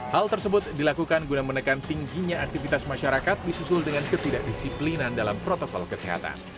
hal tersebut dilakukan guna menekan tingginya aktivitas masyarakat disusul dengan ketidakdisiplinan dalam protokol kesehatan